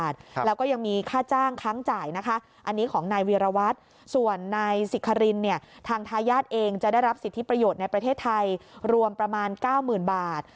ทายาทเองจะได้รับสิทธิประโยชน์ในประเทศไทยรวมประมาณ๙๐๐๐๐บาท